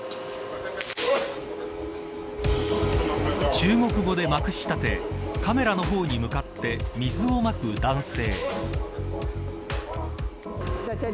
中国語で、まくしたてカメラの方に向かって水をまく男性。